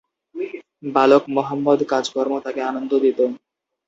বালক মোহাম্মদ কাজকর্ম তাকে আনন্দ দিতো।